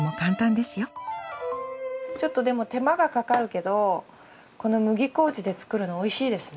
ちょっとでも手間がかかるけどこの麦麹で作るのおいしいですね。